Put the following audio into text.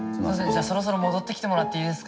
じゃあそろそろ戻ってきてもらっていいですか。